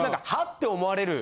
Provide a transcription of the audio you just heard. って思われる。